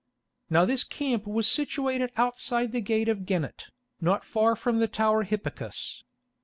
Now this camp was situated outside the gate of Gennat, not far from the tower Hippicus.